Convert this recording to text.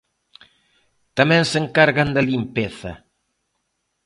Tamén se encargan da limpeza.